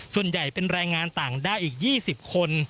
ส่วนใหญ่เป็นแรงงานต่างด้าวอีก๒๐คน